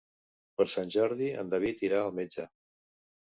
Per Sant Jordi en David irà al metge.